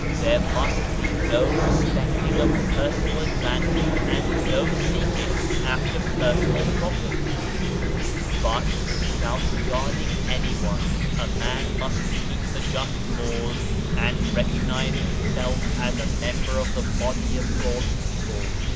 There must be no respecting of personal ad vantage and no seeking after personal profit, but, without regarding anyone, a man must keep the just laws and recognize himself as a member of the body of God's people.